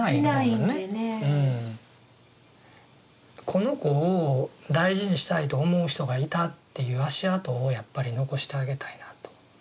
この子を大事にしたいと思う人がいたっていう足跡をやっぱり残してあげたいなと。